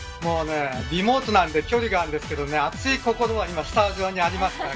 リモートなんで距離があるんですけど熱い心はスタジオにあります。